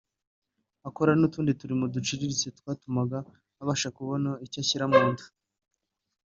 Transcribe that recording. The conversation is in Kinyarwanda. akora n’utundi turimo duciriritse twatumaga abasha kubona icyo ashyira mu nda